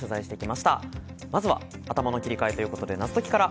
まずは頭の切り替えということで謎解きから。